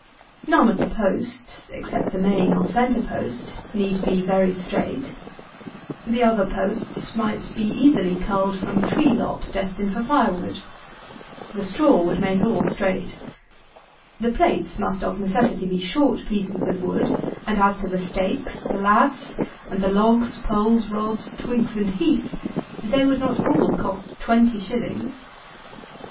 None of the posts, except the main or centre post, need be very straight. The other posts might be easily culled from tree lops, destined for fire wood. The straw would make all straight. The plates must of necessity be short pieces of wood; and, as to the stakes, the laths, and the logs, poles, rods, twigs, and heath, they would not all cost twenty shillings.